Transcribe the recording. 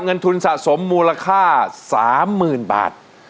เงินทุนสะสมมูลค่า๓๐๐๐บาท